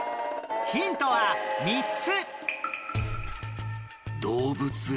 ヒントは３つ！